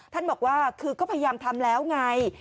บอกว่าคือก็พยายามทำแล้วไง